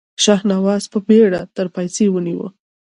شهسوار په بېړه تر پايڅې ونيو.